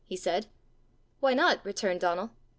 he said. "Why not?" returned Donal.